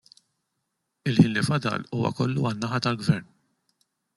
Il-ħin li fadal huwa kollu għan-naħa tal-Gvern.